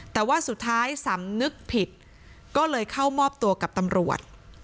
แต่ว่าสุดท้ายสำนึกผิดก็เลยเข้ามอบตัวกับตำรวจ